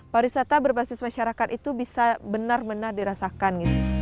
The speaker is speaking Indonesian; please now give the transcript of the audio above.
pariwisata berbasis masyarakat itu bisa benar benar dirasakan